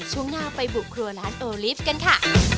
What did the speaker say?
ช่วงหน้าไปบุกครัวร้านโอลิฟต์กันค่ะ